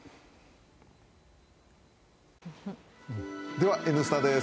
では「Ｎスタ」です。